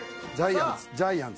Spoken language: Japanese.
ジャイアンツ。